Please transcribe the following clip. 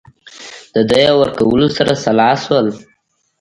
د دیه ورکولو سره سلا شول.